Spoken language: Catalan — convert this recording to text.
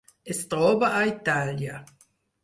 Es troba a Itàlia.